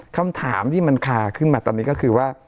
คำถามที่มันคาขึ้นมาตอนนี้ก็คือว่า